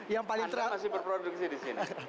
yang paling terasa apa sih pak anies